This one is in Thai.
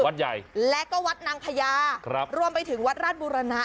วัดใหญ่และก็วัดนางพญาครับรวมไปถึงวัดราชบุรณะ